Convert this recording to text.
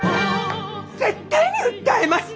絶対に訴えます！